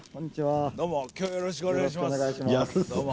どうも今日はよろしくお願いします。